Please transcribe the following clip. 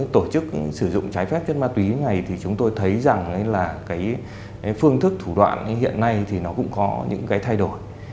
tổ chức sử dụng trái phép chất ma túy này thì chúng tôi thấy rằng là cái phương thức thủ đoạn hiện nay thì nó cũng có những cái thay đổi